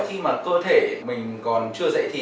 khi mà cơ thể mình còn chưa dậy thì